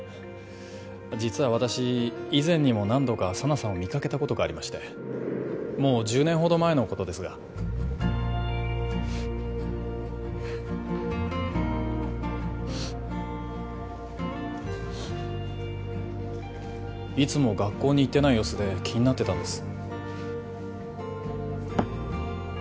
実は私以前にも何度か佐奈さんを見かけたことがありましてもう１０年ほど前のことですがいつも学校に行ってない様子で気になってたんです